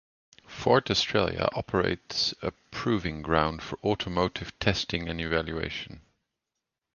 Ford Australia operates a proving grounds for automotive testing and evaluation.